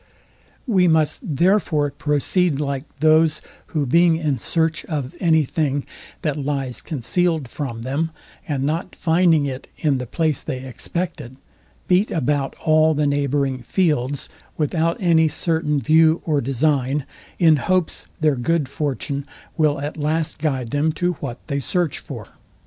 We must, therefore, proceed like those, who being in search of any thing, that lies concealed from them, and not finding it in the place they expected, beat about all the neighbouring fields, without any certain view or design, in hopes their good fortune will at last guide them to what they search for.